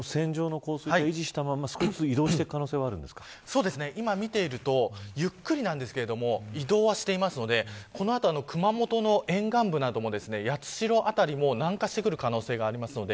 この線状降水帯を維持したまま移動していく可能性はそうですね、今見ているとゆっくりなんですけど移動はしていますのでこの後、熊本の沿岸部なども八代あたりで南下してくる可能性があります。